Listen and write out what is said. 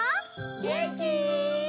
げんき？